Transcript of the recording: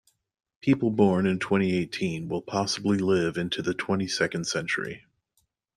People born in twenty-eighteen will possibly live into the twenty-second century.